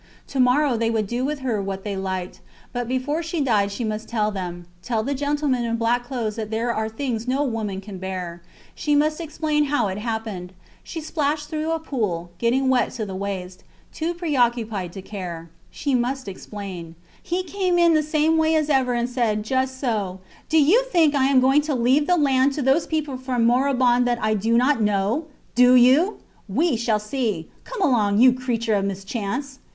To morrow they would do with her what they liked. But before she died she must tell them tell the gentlemen in black clothes that there are things no woman can bear. She must explain how it happened. ... She splashed through a pool, getting wet to the waist, too preoccupied to care. ... She must explain. He came in the same way as ever and said, just so: Do you think I am going to leave the land to those people from Morbihan that I do not know? Do you? We shall see! Come along, you creature of mischance!